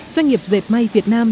doanh nghiệp dệt may việt nam